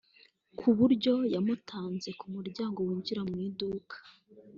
kuburyo yamutanze kumuryango winjira mu iduka